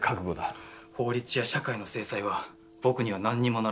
「法律や社会の制裁は僕には何にもならない」。